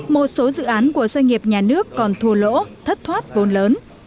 một số dự án của doanh nghiệp nhà nước còn thua lỗ thất thoát vốn lớn